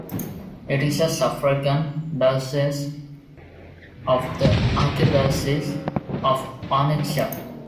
It is a suffragan diocese of the Archdiocese of Onitsha.